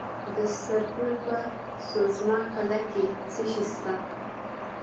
د سرپل په سوزمه قلعه کې څه شی شته؟